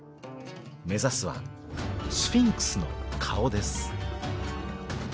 目指すはスフィンクスの顔です。